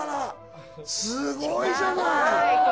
すごいじゃない！